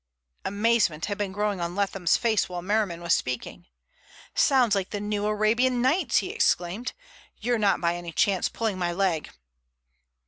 Amazement had been growing on Leatham's face while Merriman was speaking. "Sounds like the New Arabian Nights!" he exclaimed. "You're not by any chance pulling my leg?"